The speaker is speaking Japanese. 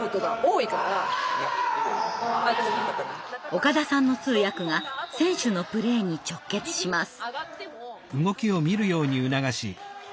岡田さんの通訳が選手のプレーに直結します。